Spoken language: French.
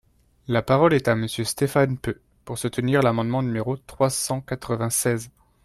La parole est à Monsieur Stéphane Peu, pour soutenir l’amendement numéro trois cent quatre-vingt-seize.